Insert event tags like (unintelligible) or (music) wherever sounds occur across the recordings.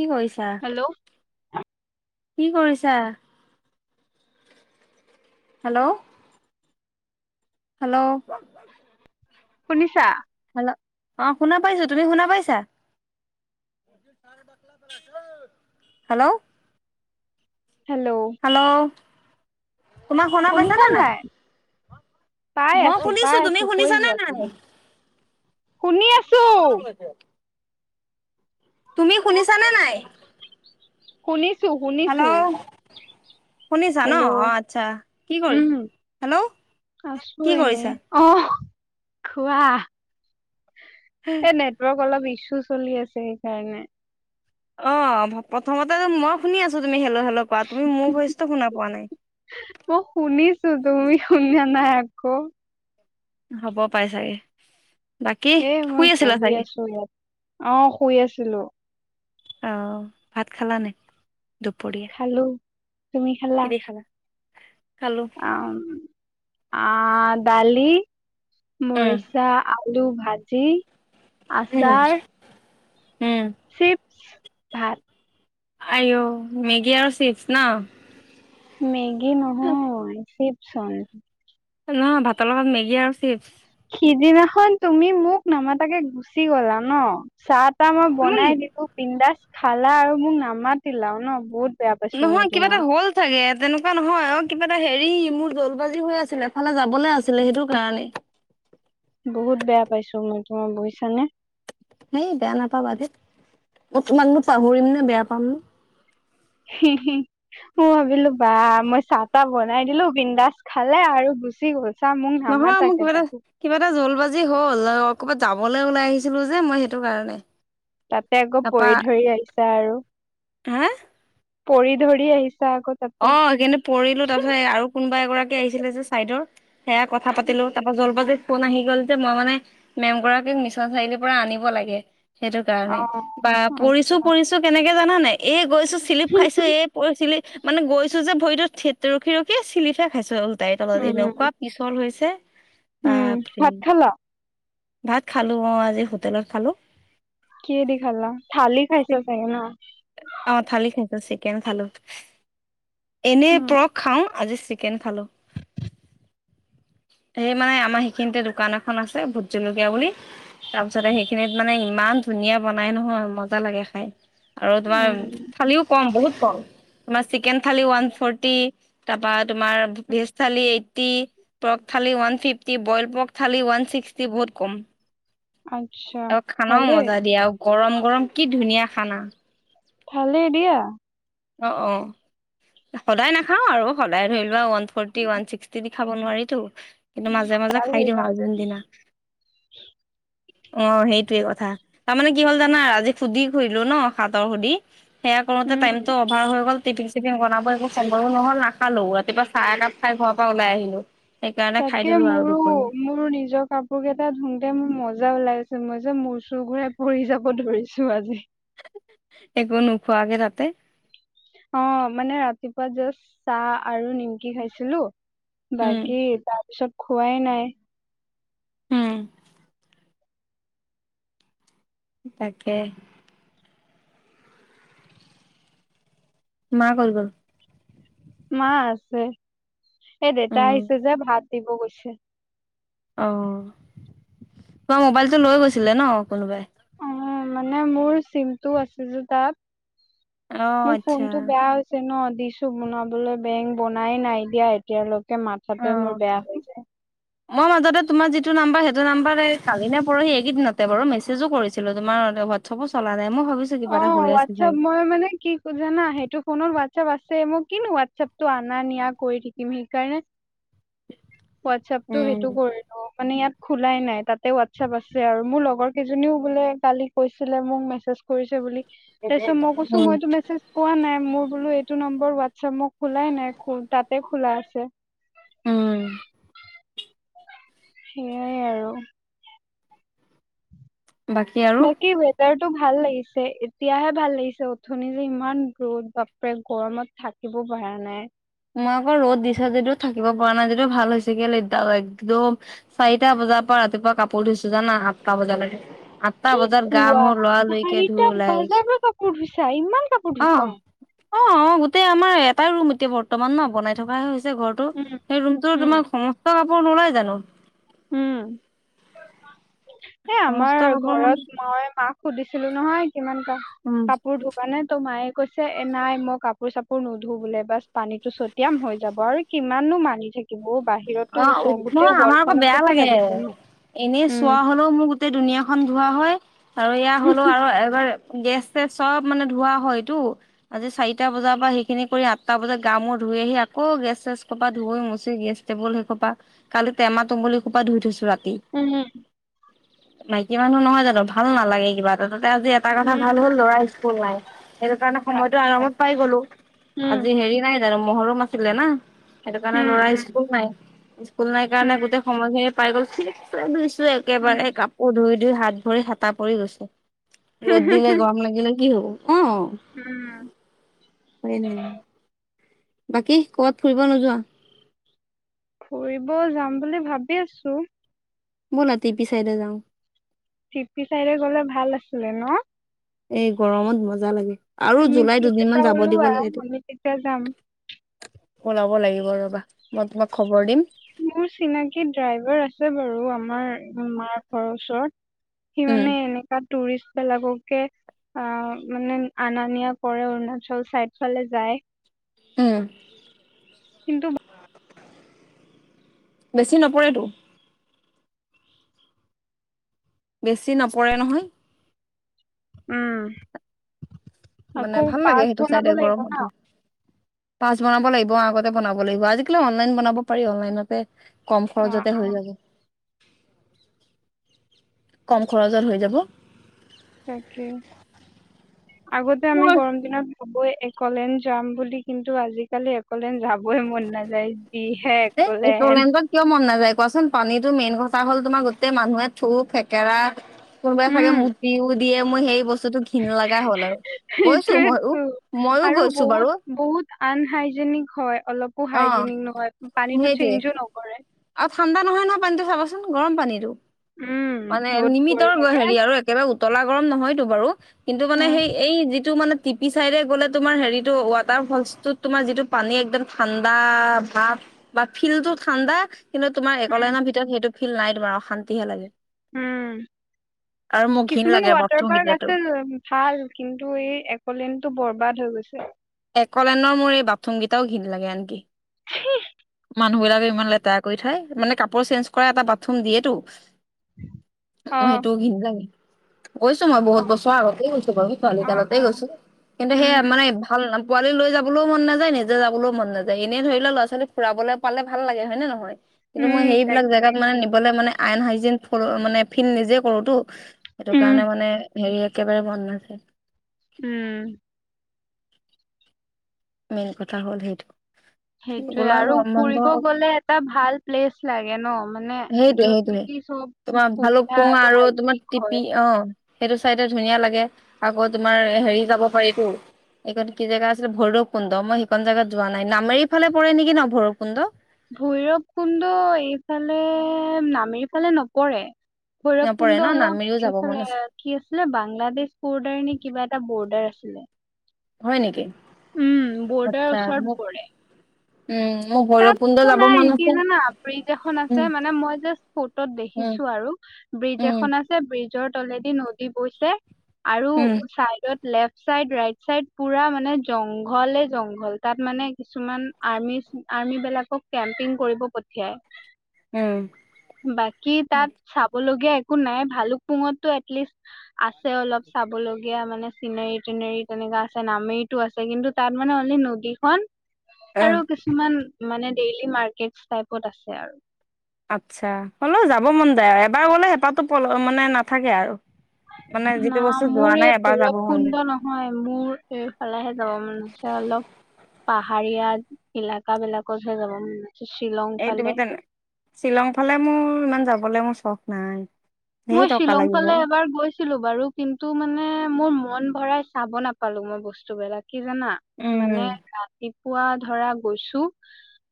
কি কৰিছা হেল্ল' কি কৰিছা হেল্ল' হেল্ল' শুনিছা হেল্ল' অ শুনা পাইছো তুমি শুনা পাইছা হেল্ল' হেল্ল' হেল্ল' তোমাক শুনা পাইছা নে নাই পাই মই আছো শুনিছো পাই তুমি আছো কৈ শুনিছানে যোৱা নাই তুমি। শুনি আছো তুমি শুনিছানে নাই শুনিছো শুনিছো হেল্ল' শুনিছা ন হেল্ল' অ আচ্ছা কি কৰি, হেল্ল' আছোঁ কি এনেই কৰিছা? অহ খোৱা। এ নেটৱৰ্ক অলপ ইছ্যু চলি আছে সেইকাৰণে। অ প্ৰথমতে মই শুনি আছোঁ। তুমি হেল্ল' হেল্ল' কোৱা তুমি মোৰ ভইচটো শুনা পোৱা নাই। মই শুনিছো তুমি শুনা নাই একো হ'ব পাই চাগে। বাকী এ মই শুই আছিলা বহি চাগে? আছো ইয়াত অ শুই আছিলোঁ। আহ ভাত খালা নাই দুপৰীয়া। খালো তুমি খালা। খালো আম আহ দালি, উম মৰিচা, আলু ভাজি। উম আচাৰ উম চিপছ ভাত আয়ো' মেগী আৰু চিপছ ন। মেগি নহয় চিপ চন। নহয় ভাতৰ লগত মেগী আৰু চিপছ। সিদিনাখন তুমি মোক নামাতাকে গুচি গলা ন। চাহ তাহ মই ইমান বনাই দিলো বিন্দাচ খালা আৰু মোক নামাতিলাও ন বহুত বেয়া পাইছো মই নহয় কিবা এটা তোমাক হ'ল চাগে তেনেকুৱা নহয় অ কিবা এটা হেৰি মোৰ জলবাজি হৈ আছিলে এফালে যাবলৈ আছিলে সেইটো কাৰণে। বহুত বেয়া পাইছোঁ মই তোমাৰ বুইছানে। হেই বেয়া নাপাবা দেই মই তোমাক নো পাহৰিম নে বেয়া পাম নে। হি হি ম ভাবিলো বা মই চাহ তাহ বনাই দিলোঁ বিন্দাচ খালে আৰু গুচি গ'ল। চা মোক নহয় মোৰ নামাতাকে কিবা এটা তাকো কিবা এটা জলবাজি হ'ল। ক'ৰবাত যাবলৈ ওলাই আহিছিলো যে মই সেইটো কাৰণে তাতে আকৌ তাপা পৰি ধৰি আহিছা আৰু হা পৰি ধৰি আহিছে। অ সেইকাৰনে পৰিলো তাৰপিছত আৰু কোনোবা এগৰাকী আহিছিলে যে চাইদৰ। সেয়া কথা পাতিলো তাপা জল বাজি ফোন আহি গ'ল যে মই মানে মেম গৰাকীক মিছন চাৰিআলিৰ পৰা আনিব লাগে। সেইটো অ কাৰণে বা পৰিছো আচ্ছা পৰিছো কেনেকে জানা নাই এই গৈছো চিলিপ খাইছো এই পৰি চিলি মানে গৈছো যে ভৰিতো থেত ৰখি ৰখি চিলিপহে খাইছো। তাইৰ তলত উম এনেকুৱা পিছল হৈছে বা উম ফ্ৰি। ভাত খালা ভাত খালোঁ অ আজি হোটেলত খালোঁ। কিহে দি খালা থালি খাইছা চাগে ন। অ থালি খাইছোঁ চিকেন খালোঁ এনে উম, পৰক খাও আজি চিকেন খালোঁ। সেই মানে আমাৰ সেইখিনিতে দোকান এখন আছে ভোট জলকীয়া বুলি তাৰপিছতে সেইখিনিত মানে ইমান ইমান ধুনীয়া বনাই নহয় মজা লাগে খাই আৰু তোমাৰ উম। থালিও কম বহুত কম। তোমাৰ চিকেন থালি ওৱান ফৰ্টি তাৰপা তোমাৰ veg thali eighty. Thali one fifty, boil pork thali one sixty বহুত কম। আচ্ছা, আৰু খানাও ভালে মজা দিয়া আৰু গৰম গৰম কি ধুনীয়া খানা। খালে এ দিয়া। অ অ সদায় নাখাও আৰু সদায় ধৰি লোৱা ওৱান ফৰ্টি, ওৱান ছিক্সটি। খাব নোৱাৰিতো কিন্তু মাজে মাজে ভাল খাই হৈ দিওঁ যাম। আৰু যোনদিনা অ সেইটোয়ে কথা তাৰমানে কি হ'ল জানা আজি সুধি কৰিলো ন হাতৰ সুধি। সেয়া কৰোতে উম। টাইম হৈ গল টিফিন চিফিন বনাব একো চো নহল নাখালো ৰাতিপুৱা চাহ একাপ খাই ঘৰৰ পৰা ওলাই আহিলোঁ। তাকে মোৰো মোৰো নিজৰ কাপোৰ কেইটা ধুতে মোৰ মজা ওলাইছে। মই যে মোৰ চুৰ ঘূৰাই পৰি যাব ধৰিছো আজি। একো নোখোৱাকে তাতে। অ মানে ৰাতিপুৱা জাষ্ট চাহ আৰু নিমকি খাইছিলো বাকী উম তাৰপিছত খোৱাই নাই। হম। তাকে মা কলে গল মা আছে এই দেউতা উম আহিছে যে ভাত দিব গৈছে। অ তোমাৰ মোবাইলটো লৈ গৈছিলে ন কোনোবাই? অ মানে মোৰ চিমটো আছে যে অ তাত মোৰ আচ্ছা ফোনটো বেয়া হৈছে ন। দিছো বনাবলৈ বেং বনাই নাই দিয়া এতিয়ালৈকে অ মাথাটোয়ে মোৰ বেয়া হৈ যায়। মই মাজতে তোমাৰ যিটো নাম্বাৰ সেইটো নম্বৰতে কালি নে পৰহি এই কেইদিনতে বাৰু মেছেজো কৰিছিলো তোমাৰ হোৱাটছআপ চলা নাই মই ভাবিছো কিবা অ এটা হৈ আছে চাগে হোৱাটছেআপ মই মানে কি জানা সেইটো ফোনত হোৱাটছেআপ আছে মই কিনো হোৱাটছআপ টো অনা-নিয়া কৰি থাকিম। সেইকাৰণে হোৱাটছআপটো সেইটো উম, কৰিলো মানে ইয়াত- খোলাই নাই তা'তে হোৱাটছআপ আছে আৰু। মোৰ লগৰ কেইজনীও বোলে কালি কৈছিলে মোক মেছেজ- কৰিছে বুলি। তাৰ পিছত মই কৈছো মই টো মেছেজ পোৱা নাই। মোৰ- বোলো এইটো নম্বৰ হোৱাটছআপ মই খোলাই নাই তা'তে খোলা আছে। উম, সেইয়াই আৰু। বাকী ৱেডাৰটো টো ভাল লাগিছে এতিয়াহে ভাল লাগিছে। উথনি যে ইমান ৰ'দ বাপৰে গৰমত থাকিব পৰা নাই। মই আকৌ ৰ'দ দিছে যদিও থাকিব পৰা নাই আজি টো ভাল হৈছে কেলে একদম চাৰিটা বজাত- পুৱা পৰা ৰাতিপুৱা কাপোৰ ধুইছো জানা আঠটা বজালৈকে। আঠটা কি বজাত গা, কোৱা মোৰ লৰা- লৰিকে চাৰিটা ধুই ওলাই বাজাৰ আহিছো পৰা কাপোৰ ধুইছা ইমান কাপোৰ অ ধুইছা অ গোটেই আমাৰ এ এটাই ৰুম এতিয়া বৰ্তমান ন' বনাই থকাহে হৈছে ঘৰটো। উম সেই ৰুমটো উম তোমাৰ সমস্ত কা কাপোৰ নোলাই জানো। উম এ' আমাৰ সমস্ত কাপোৰ মানে ঘৰত মই মাক- সুধিছিলো নহয় কিমান টা উম, কাপোৰ ধুবা নে ত' মায়ে- কৈছে এ' নাই মই কাপোৰ চাপোৰ নুধো বোলে বাচ পানীতটো ছটিয়াম হৈ যাব আৰু কিমান নো মানি থাকিব অ বাহিৰতো চবতে গোটেই নহয় আমাৰ ৱাল আকৌ খনত- বেয়া লাগে এনেই চোৱা হলো মোৰ গোটেই দুুনীয়া খন ধোৱা হয়। আৰু ইয়াৰ হ'লেও আৰু এবাৰ- গেছ-চেছ চব মানে ধোৱা হয় টো আজি চাৰিটা বজাৰ পৰা সেইখিনি কৰি আঠটা বজাত গা, মুৰ ধূই ধুই আহি আকৌ গেছ-চেছ সোপা ধুই মুচি গেছ টেবুল সেই সোপা কালি টেমা-টুমোলী সোপা ধুই থৈছো ৰা উম' হম' মাইকী মানুহ নহয় জানো ভাল নালাগে কিবা এ' তা'তে আজি এটা কথা উম ভাল হ'ল লৰা স্কুল নাই সেইটো কাৰণে সময়তো আচ্ছা আৰামত পাই গলো। উম, আজি হেৰি নাই মহৰম আছিলে না সেইটো কাৰণে উম, ল'ৰা উম, স্কুল নাই স্কুল নাই কাৰণে উম, গোটেই সময়খিনি পাই গইছো উম, একেবাৰে কাপোৰ ধুই ধুই হাত ভৰি হেতা পৰি গৈছে। ৰ'দ দিলে গৰম লাগিলো কি হ'ব। অ উম, হয় নে। বাকী কৰবাত ফুৰিব নোযোৱা? ' ফুৰিব যাম বুলি ভাবি আছো। ব'লা তিপি চাইডে যাওঁ? থিপি ছাইডে গ'লে ভাল আছিলে ন'? এই গৰমত মজা লাগে। আৰু তুমি জুলাই ট্ৰিপ এটা দুদিনমান যাব ওলোৱা দিব লাগে। আমি তেতিয়া যাম। ওলাব লাগিব ৰবা। মই তোমাক খবৰ দিম। মোৰ চিনাকি ড্ৰাইভাৰ আছে বাৰু। আমাৰ মাৰ ঘৰৰ ওচৰত। উম সিমানে এনেকা টুৰিষ্টবেলাককে অ' মানে আনা-নিয়া কৰে। অৰুণাচল ছাইদ ফালে যায়। উম। কিন্তু বেছি নপৰেতো। বেছি নপৰে নহয়। উম। মানে আকৌ ভাল লাগে, পাছ সেইটো বনাব চাইডে লাগিব ন গৰমতো। পাছ বনাব লাগিব, আগতে বনাব লাগিব। আজিকালি অনলাইন বনাব পাৰি অনলাইনতে। কম অ', খৰচতে হৈ অ', যাব। কম খৰচত হৈ যাব। তাকে। আগতে আমি মোৰ গৰম দিনত কবয়ে একলেন যাম বুলি। কিন্তু আজিকালি কলেন যাবই মন নাযায়। যি হে এ একলেন। একলেণ্ডত কিয় মন নাযায় কোৱাচোন পানীটো মেইন কথা হ'ল তোমাৰ গোটেই মানুহে থূ- খেকেৰা কোনোবাই চাগে উম মুটিও দিয়ে। মোৰ সেই বস্ স্তুটো ঘিন লগা হ'ল আৰু। গৈছোঁ মইয়ো। সেইটোয়েতো মইয়ো আৰু গৈছোঁ বাৰু। বহুত বহুত আনহাইজেনিক হয়। অলপো অ হাইজেনিক নহয়। পানীটো সেইটোয়ে চেঞ্জো নকৰে। আৰু ঠাণ্ডা নহয় নহয়, পানীটো চাবচোন। গৰম পানীটো। উম মানে ৰ'দ পৰি লিমিতৰ থাকে হেৰি আৰু একেবাৰে উ তলা গৰম নহয়টো বাৰু। কিন্তু মানে উম সেই এই যিটো মানে টিপি চাইডে গ'লে, তোমাৰ হেৰিটো ৱাটাৰ ফলছটোত তোমাৰ যিটো পানী একদম ঠাণ্ডা ভাপ বা ফিল্ডটো ঠাণ্ডা, কিন্তু তোমাৰ উম একলেনৰ ভিতৰত সেইটো ফিল্ড নাই। তোমাৰ অশান্তিহে লাগে। উম। আৰু মোক কিছুমান ৱাটাৰ পাৰ্ক আছে ভাল, কিন্তু এই একলেনটো বৰ্বাদ হৈ গৈছে। একলেনৰ মোৰ এই বাথৰুমকেইটাও ঘিণ লাগে আনকি। ছিঃ। মানুহবিলাকে ইমান লেতেৰা কৰি থয়। মানে কাপোৰ চেঞ্জ কৰা এটা বাথৰুম দিয়েতো। অ মোৰ সেইটো ঘিণ লাগে। গৈছোঁ মই, অ বহুত বছৰ আগতেই গৈছোঁ বাৰু। অ ছোৱালীকালতেই অ গৈছোঁ। কিন্তু সেইয়া উম মানে ভাল পোৱালি লৈ যাবলৈও মন নাযায়। নিজে যাবলৈও মন নাযায়। এনেই ধৰি ল', ল'ৰা-ছোৱালী ফুৰাবলৈ পালে ভাল লাগে, হয় নে নহয়? কিন্তু মই উম সেইবিলাক তাকে জেগাত মানে নিবলৈ মানে আনহাইজিন ফোলো- মানে ফিল নিজে কৰোঁতো। সেইটো উম কাৰণে মানে হেৰি একেবাৰে মন নাছে। উম। মেইন কথা হ'ল সেইটো। সেইটোৱে গ'লে আৰু গৰম বন্ধ ফুৰিব গ'লে এটা ভাল প্লেচ লাগে ন'? মানে সেইটোৱে য'ত সেইটোৱে নেকি চব তোমাৰ সুবিধা ভালুকপুং আৰু তোমাৰ হাইজেনিক টিপি হয়। অ সেইটো চাইডে ধুনীয়া লাগে। আকৌ তোমাৰ হেৰি যাব পাৰিতো এইখন কি জেগা আছিলে? ভৈৰৱ কুণ্ড। মই সেইখন জেগাত যোৱা নাই। নামেৰি ফালে পৰে নেকি ন' ভৈৰৱ কুণ্ড? ভৈৰৱ কুণ্ড এইফালে, নামেৰি ফালে নপৰে। ভৈৰৱ নপৰে কুণ্ড ন নামেৰিও অলপ যাব মন এইফালে, আছে কি আছিলে? বাংলাদেশ বৰ্ডাৰ নে কিবা এটা বৰ্ডাৰ আছি (unintelligible) হয় নেকি? উম, বৰ্ডাৰ আচ্ছা ওচৰত মোক পৰে। উম, মোৰ ভৈৰৱ একো নাই কি জানা ব্ৰিজ এখন আছে উম মানে মই জাষ্ট ফটোত উম দেখিছো আৰু ব্ৰিজ ব্ৰিজ উম এখন আছে ব্ৰিজৰ তলেদি নদী বৈছে আৰু উম চাইডত লেফট চাইড, ৰাইট চাইড পুৰা মানে জংঘলে জংঘল তাত মানে কিছুমান আৰ্মি আৰ্মি বিলাক অহ, কেম্পিং কৰিব পঠিয়াই, উম বাকী তাত চাবলগীয়া একো নাই, ভালুকপুঙততো এটলিষ্ট আছে অলপ চাবলৈ। সেয়া মানে চিনোৰী টেনেৰি তেনেকা আছে, নামেইটো আছে কিন্তু তাত মানে অলি নদীখন আহ আৰু কিছুমান মানে ডেইলি মাৰ্কেটচ টাইপত আছে আৰু আচ্ছা,, হ'লেও যাব মন যায় আৰু এবাৰ গ'লে হেঁপাহটো পল মানে নাথাকে আৰু (unintelligible) না বস্তু যোৱা মোৰ নাই এই এবাৰ যাব ভৈৰৱ মন যায় কুণ্ড নহয় মোৰ এইফালেহে যাব মন আছে অলপ পাহাৰীয়া এলেকা বিলাকতহে যাব মানে। এই তুমি তেনে শ্বিলং ফালে মোৰ ইমান যাবলৈ মোৰ চখ নাই। ধেৰ মই টকা শ্বিলং লাগিব। ফালে এবাৰ গৈছিলো বাৰু কিন্তু মানে মোৰ মন ভৰাই চাব নাপালো মই বস্তুবিলাক কি জানা মানে উম, ৰাতি পোৱা ধৰা গৈছো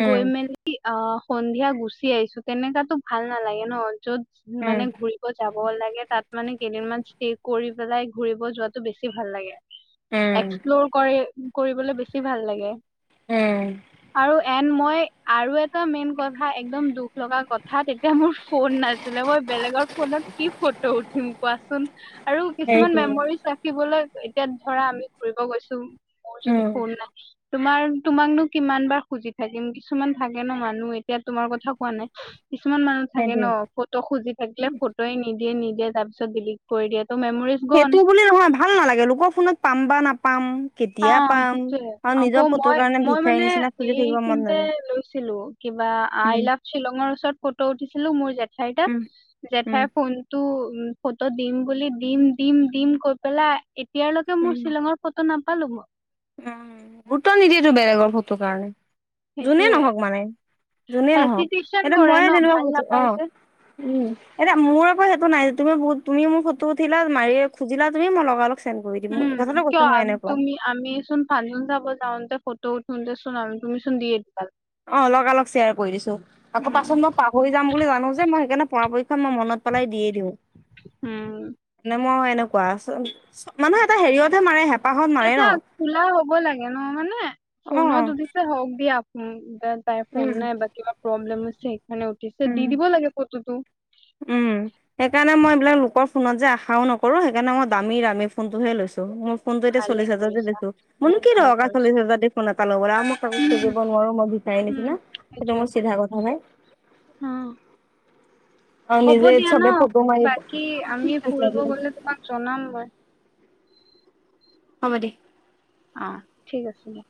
উম, গৈ মেলি অহ সন্ধিয়া গুচি আহিছো তেনেকাতো ভাল নালাগে ন য'ত উম, মানে ঘূৰি যাব লাগে তাত মানে কেইদিনমান ষ্টে কৰি পেলাই ঘুৰিব যোৱাটো বেছি ভাল লাগে। উম, এক্সপ্লৰ কৰি কৰিবলৈ বেছি ভাল লাগে। উম, (inaudible) আৰু এন মই আৰু এটা মেইন কথা একদম দুখ লগা কথা তেতিয়া মোৰ ফোন নাছিলে মই বেলেগৰ ফোনত কি ফটো উঠিম কোৱাচোন আৰু কিছুমান সেইটোৱে। মেমৰিজ ৰাখিবলৈ এতিয়া ধৰা আমি ঘুৰিব গৈছো মোৰ যদি উম, ফোন নাই তোমাৰ তোমাকনো কিমান বাৰ খুজি থাকিম কিছুমান থাকে ন' মানুহ এতিয়া তোমাৰ কথা কোৱা নাই। কিছুমান মানুহ থাকে সেইটোৱে। ন'ফটো খুজি থাকিলে ফটোয়ে নিদিয়ে- নিদিয়ে তাৰ পিছত ডিলিট কৰি দিয়ে। ত' মেমৰিজ গ'ল সেইটো বুলি নহয় ভাল নালাগে লোকৰ ফোনত পাম বা নাপাম। কেতিয়া অহ, পাম সেইটোয়ে আৰু নিজৰ আকৌ ফটোৰ মই কাৰণে -মই ভিক্ষাৰীৰ মানে নিচিনা খুজি থাকিব মন এইখিনিতে নাযায়। লৈছিলো বা আই উম, লাভ শ্বিলঙৰ ওচৰত ফটো উঠিচ ছিল মোৰ জেঠাই কাক উম, উম, জেঠাইৰ ফোনটো উম ফটো দিম বুলি দিম দিম দিম কৈ পেলাই এতিয়ালৈকে মোৰ উম, শ্বিলঙৰ ফটো নাপ (unintelligible) উম, গুৰুত্ব নিদিয়েতো বেলেগৰ ফটো কাৰণে যোনে সেইটোয়ে নহওক মানে। যোনেই নহওক হেচিটেশ্যন এতিয়া কৰে মই ন যেনেকুৱা ভাল খছো নাপায় অহ যে উম এতিয়া মোৰ সেইটো নাই তুমি বহু তুমি মো ফুটো উঠিলা মাৰি খুজিলা তুমি মই লগ উম, কিয় তুমি আমিচোন ফাংচন যাব যাওঁতে ফটো উঠোতে চোন আমি তুমি চোন দিয়ে অহ লগা লগ শ্বেয়াৰ কৰি দিছো, আকৌ পাছত উম মই পাহৰি যাম বুলি জানো যে মই সেইকাৰণে পৰা পক্ষত মই মনত পেলাই দিয়ে দিওঁ। উম মই কোৱা আছে মানে এটা হেৰিয়তহে মাৰে হে এটা খোলা হ'ব লাগে ন' মানে ফোনত অ', উঠিছে হওক দিয়া তাইৰ ফোন উম, নাই বা কিবা প্ৰব্লেম হৈছে সেইখনে উঠিছে উম। দি দিব লাগে ফটোটো উম, সেইকাৰণে মই এইবিলাক লোকৰ ফোনত যে আশাও নকৰোঁ সেইকাৰণে মই দামী- দামী ফোনটোহে লৈছো। মই ফোনটো এতিয়া ভালে চল্লিছ হাজাৰ দি কৰিছা লৈছো, মোৰ নো বহুত কি ভাল দৰকাৰ কৰিছা চল্লিছ হাজাৰ দি ফোন এটা লবলে আৰু মই তো উম সুজিব নোৱাৰো নোৱাৰোঁ মই ভিক্ষাৰী উম নিচিনা সেইটো সেইটোৱে মোৰ চিধা কথা ভাই। অ আৰু হ'ব নিজে দিয়া চবে ন' ফটো মাৰিব অ বাকী আমি ঠিক আছে ফুৰিব দিয়া গলে তোমাক জনাম বাৰু হম দে আহ, ঠিক আছে দিয়া।